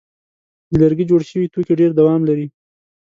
د لرګي جوړ شوي توکي ډېر دوام لري.